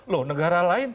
loh negara lain